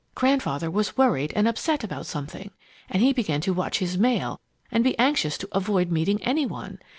Grandfather was worried and upset about something, and he began to watch his mail and be anxious to avoid meeting any one.